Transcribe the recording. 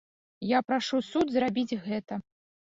Я прашу суд зрабіць гэта.